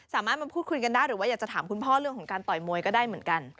สามารถมาพูดคุยกันได้หรือว่าอยากจะถามคุณพ่อเรื่องของการต่อยมวยก็ได้เหมือนกัน